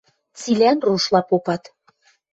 Цилӓн рушла попат.